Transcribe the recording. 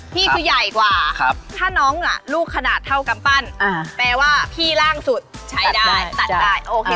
พี่คือใหญ่กว่าถ้าน้องลูกขนาดเท่ากำปั้นแปลว่าพี่ล่างสุดใช้ได้ตัดได้โอเค